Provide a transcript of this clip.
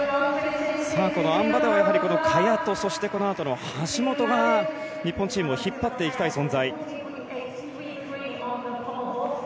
さあ、このあん馬は萱とそしてこのあとの橋本が日本チームを引っ張っていきたい存在。